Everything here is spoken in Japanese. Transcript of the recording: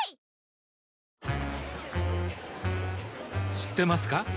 知ってますか？